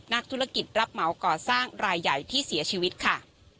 นักธุรกิจรับเหมาก่อสร้างรายใหญ่ที่เสียชีวิตค่ะ